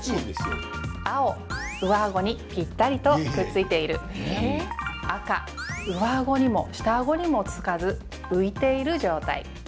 青・上あごにぴったりとくっついている赤・上あごにも下あごにもつかず浮いている状態